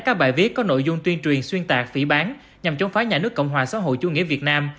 các bài viết có nội dung tuyên truyền xuyên tạc phỉ bán nhằm chống phá nhà nước cộng hòa xã hội chủ nghĩa việt nam